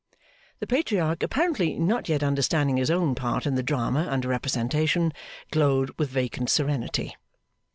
The Patriarch, apparently not yet understanding his own part in the drama under representation, glowed with vacant serenity.